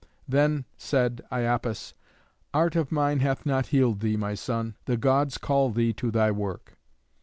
Then said Iapis, "Art of mine hath not healed thee, my son. The Gods call thee to thy work."